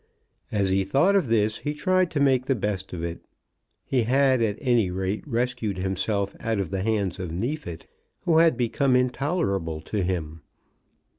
As he thought of this he tried to make the best of it. He had at any rate rescued himself out of the hands of Neefit, who had become intolerable to him.